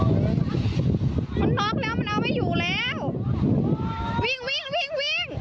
มันน็อกแล้วมันเอาไม่อยู่แล้ววิ่งวิ่งวิ่งวิ่ง